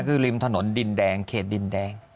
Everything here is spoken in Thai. คือริมถนนดินแดงเขตดินแดง